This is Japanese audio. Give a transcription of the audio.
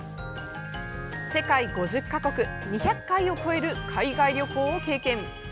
世界５０か国２００回を超える海外旅行を経験。